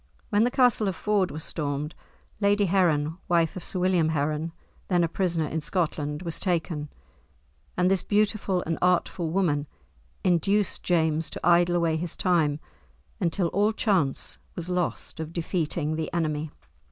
When the castle of Ford was stormed, Lady Heron, wife of Sir William Heron, then a prisoner in Scotland, was taken, and this beautiful and artful woman induced James to idle away his time until all chance was lost of defeating the enemy.